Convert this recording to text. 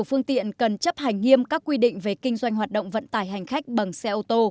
phương tiện cần chấp hành nghiêm các quy định về kinh doanh hoạt động vận tải hành khách bằng xe ô tô